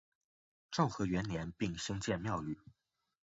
昭和元年并新建庙宇。